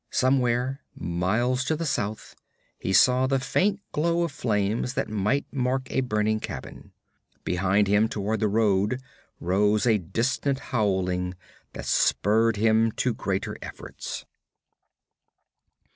Somewhere, miles to the south, he saw the faint glow of flames that might mark a burning cabin. Behind him, toward the road, rose a distant howling that spurred him to greater efforts.